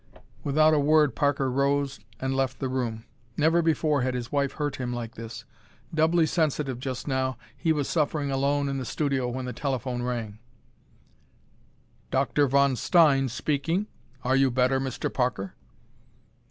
Without a word Parker rose and left the room. Never before had his wife hurt him like this. Doubly sensitive just now, he was suffering alone in the studio when the telephone rang. "Dr. von Stein speaking. Are you better, Mr. Parker?"